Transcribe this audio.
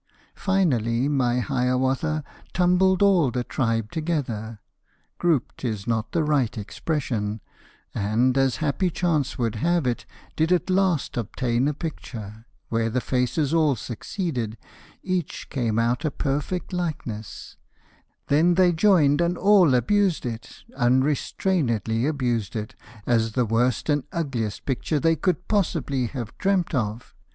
Finally my Hiawatha Tumbled all the tribe together, ('Grouped' is not the right expression), And, as happy chance would have it, Did at last obtain a picture Where the faces all succeeded: Each came out a perfect likeness. [Illustration: "LAST, THE YOUNGEST SON WAS TAKEN"] Then they joined and all abused it, Unrestrainedly abused it, As the worst and ugliest picture They could possibly have dreamed of.